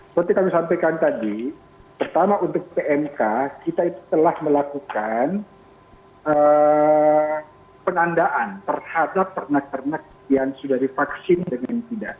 seperti kami sampaikan tadi pertama untuk pmk kita itu telah melakukan penandaan terhadap ternak ternak yang sudah divaksin dengan tidak